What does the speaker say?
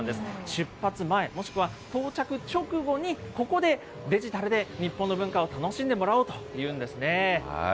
出発前、もしくは到着直後に、ここでデジタルで日本の文化を楽しんでもらおうというんですね。